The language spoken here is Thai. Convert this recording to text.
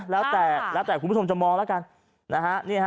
แล้วแต่คุณผู้ชมจะมองละกัน